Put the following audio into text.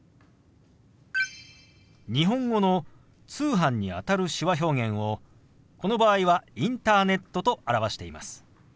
日本語の「通販」にあたる手話表現をこの場合は「インターネット」と表しています。